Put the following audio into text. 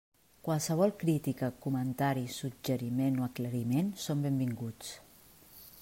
Qualsevol crítica, comentari, suggeriment o aclariment són benvinguts.